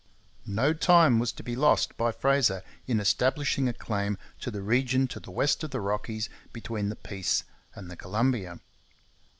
No time was to be lost by Fraser in establishing a claim to the region to the west of the Rockies between the Peace and the Columbia.